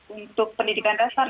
untuk pendidikan dasar